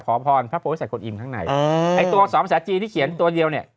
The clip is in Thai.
ขอพรพระโพใส่กลอิมข้างในไอ้ตัวสองภาษาจีนที่เขียนตัวเดียวเนี่ย